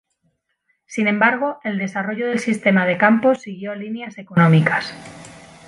Sin embargo, el desarrollo del sistema de campos siguió líneas económicas.